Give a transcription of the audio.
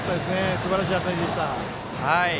すばらしい当たりでした。